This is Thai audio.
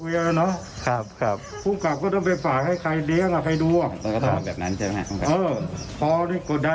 อยู่บนบ้านในหมู่บ้านนั้น